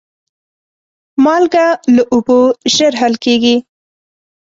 مالګه له اوبو ژر حل کېږي.